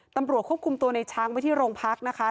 ตำรวจควบคุมตัวในช้างไว้ที่โรงพักนะคะ